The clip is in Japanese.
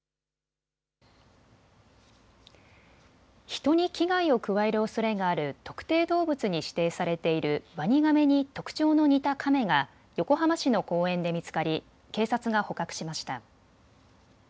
人に危害を加えるおそれがある特定動物に指定されているワニガメに特徴の似たカメが横浜市の公園で見つかり警察が捕獲しました。